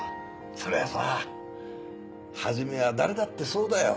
そりゃあさ初めは誰だってそうだよ。